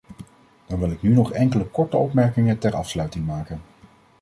Dan wil ik nu nog enkele korte opmerkingen ter afsluiting maken.